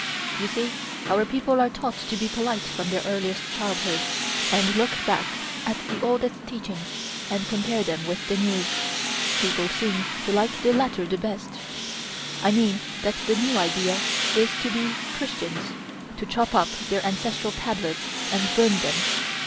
You see our people are taught to be polite from their earliest childhood, and just look back at the oldest teachings and compare them with the new. People seem to like the latter the best. I mean that the new idea is to be Christians, to chop up their Ancestral Tablets and burn them.